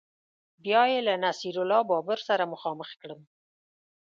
بیا یې له نصیر الله بابر سره مخامخ کړم